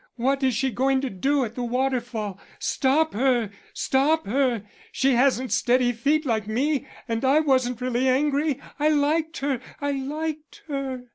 What is she going to do at the waterfall? Stop her! stop her! She hasn't steady feet like me, and I wasn't really angry. I liked her; I liked her."